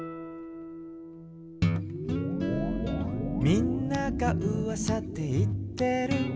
「みんながうわさでいってる」